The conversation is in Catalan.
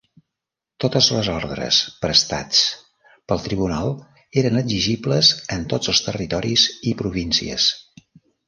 Totes les ordres prestats pel Tribunal eren exigibles en tots els territoris i províncies.